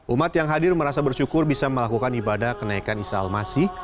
umat yang hadir merasa bersyukur bisa melakukan ibadah kenaikan isa al masih